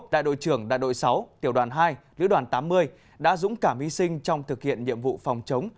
đại đội trưởng đại đội sáu tiểu đoàn hai lữ đoàn tám mươi đã dũng cảm hy sinh trong thực hiện nhiệm vụ phòng chống